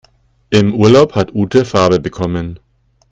Im Urlaub hat Ute Farbe bekommen.